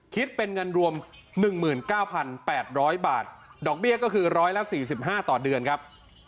คิดเป็นเงินรวม๑๙๘๐๐บาทดอกเบี้ยก็คือ๑๔๕ต่อเดือนครับ